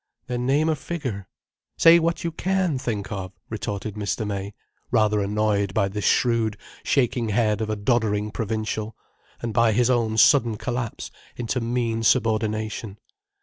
"Then name a figure. Say what you can think of," retorted Mr. May, rather annoyed by this shrewd, shaking head of a doddering provincial, and by his own sudden collapse into mean subordination.